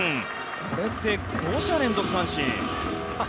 これで５者連続三振。